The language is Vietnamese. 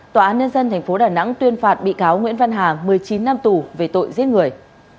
tòa án nhân dân tp đà nẵng tuyên phạt bị cáo nguyễn văn hà một mươi chín năm tù về tội giết người